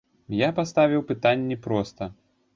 Я паставіў пытанні проста.